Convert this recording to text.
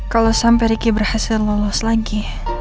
kalau sampai ricky berhasil lolos lagi